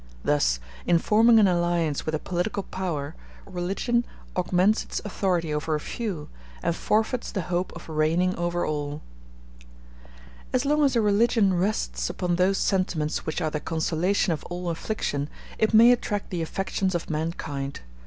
Thus, in forming an alliance with a political power, religion augments its authority over a few, and forfeits the hope of reigning over all. As long as a religion rests upon those sentiments which are the consolation of all affliction, it may attract the affections of mankind.